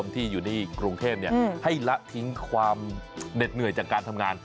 ที่อยู่ที่กรุงเทพให้ละทิ้งความเหน็ดเหนื่อยจากการทำงาน